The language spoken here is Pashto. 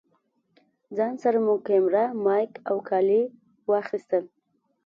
ځان سره مو کېمره، مايک او کالي واخيستل.